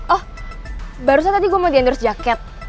oh barusan tadi gue mau diandur sejaket